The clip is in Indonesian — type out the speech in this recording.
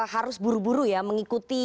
harus buru buru ya mengikuti